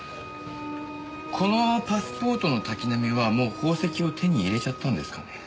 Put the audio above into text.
このパスポートの滝浪はもう宝石を手に入れちゃったんですかね？